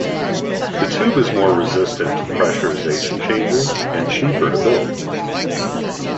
The tube is more resistant to pressurization changes and cheaper to build.